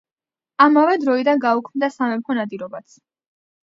ამავე დროიდან გაუქმდა სამეფო ნადირობაც.